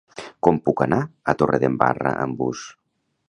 Com puc anar a Torredembarra amb bus?